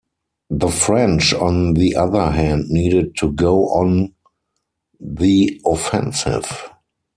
The French on the other hand needed to go on the offensive.